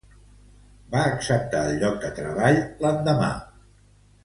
Va acceptar el lloc de treball l'endemà.